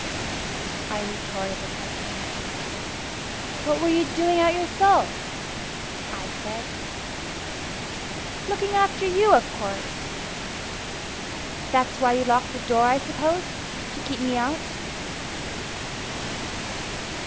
I retorted the question. "What were you doing out yourself?" I said. "Looking after you, of course." "That's why you locked the door, I suppose to keep me out."